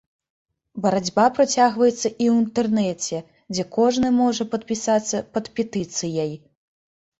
Барацьба працягваецца і ў інтэрнэце, дзе кожны можа падпісацца пад петыцыяй.